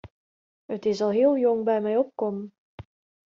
It is al heel jong by my opkommen.